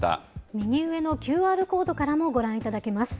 右上のＱＲコードからもご覧いただけます。